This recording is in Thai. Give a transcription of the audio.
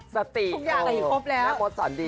สติโอ้แม่มดสอนดี